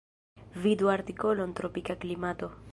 Vidu artikolon tropika klimato.